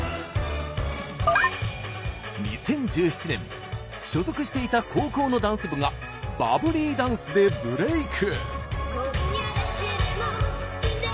２０１７年所属していた高校のダンス部がバブリーダンスでブレイク。